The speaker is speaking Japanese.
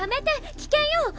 危険よ！